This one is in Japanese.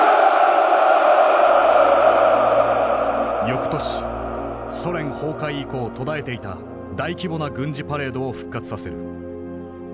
よくとしソ連崩壊以降途絶えていた大規模な軍事パレードを復活させる。